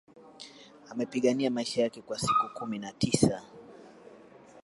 Amepigania maisha yake kwa siku kumi na tisa